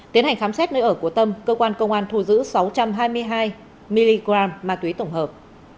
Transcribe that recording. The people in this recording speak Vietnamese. tiến hành khám xét nơi ở của tâm cơ quan công an thu giữ sáu trăm hai mươi hai mg ma túy tổng hợp